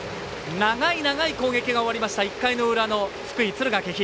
長い長い攻撃が終わりました、１回の裏の福井・敦賀気比。